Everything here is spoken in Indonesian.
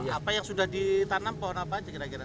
apa yang sudah ditanam pohon apa aja kira kira